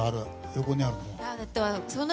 横にあるの。